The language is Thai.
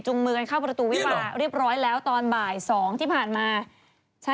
มือกันเข้าประตูวิวาเรียบร้อยแล้วตอนบ่าย๒ที่ผ่านมา